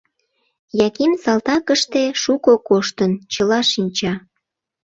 Яким салтакыште шуко коштын, чыла шинча.